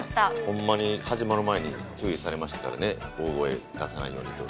ほんまに始まる前に注意されましたからね、大声出さないようにと。